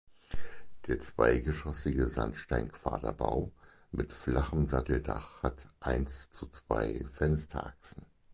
Der zweigeschossige Sandsteinquaderbau mit flachem Satteldach hat eins zu zwei Fensterachsen.